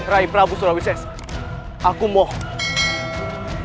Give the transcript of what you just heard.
rai prabu surawises aku mohon